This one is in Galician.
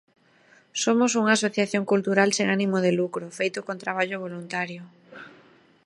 Somos unha asociación cultural sen ánimo de lucro, feito con traballo voluntario.